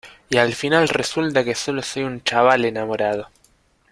y al final resulta que solo soy un chaval enamorado.